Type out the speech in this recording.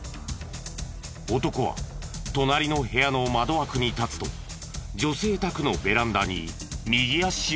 男は隣の部屋の窓枠に立つと女性宅のベランダに右足を伸ばす。